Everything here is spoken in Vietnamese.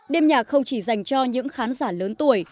đêm nhạc không chỉ dành cho những khán giả lớn tuổi